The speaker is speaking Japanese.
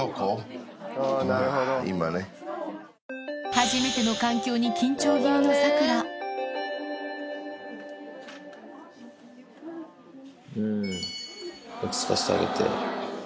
初めての環境に緊張気味のサクラうん落ち着かせてあげて。